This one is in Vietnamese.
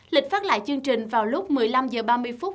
lịch phát lại chương trình vào lúc một mươi năm h ba mươi phút